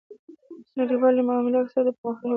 نړیوالې معاملې اکثراً د پرمختللو هیوادونو په ګټه وي